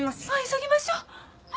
急ぎましょう！